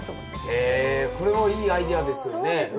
へえこれもいいアイデアですよね。